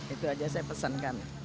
itu aja saya pesankan